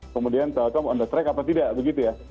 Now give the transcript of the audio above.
kemudian telkom on the track apa tidak begitu ya